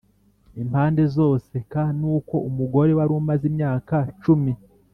Impande zose k nuko umugore wari umaze imyaka cumi